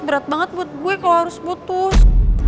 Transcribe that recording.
berat banget buat gue kalau harus putus